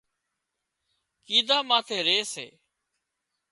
ڪيڌا ماٿي ري سي